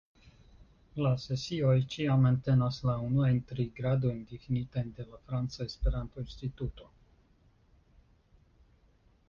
La sesioj ĉiam entenas la unuajn tri gradojn difinitajn de la Franca Esperanto-Instituto.